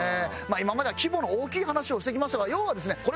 今までは規模の大きい話をしてきましたが要はですね